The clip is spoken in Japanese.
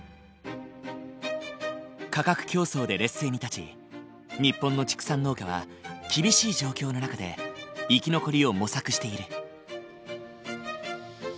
価格競争で劣勢に立ち日本の畜産農家は厳しい状況の中で生き残りを模索している。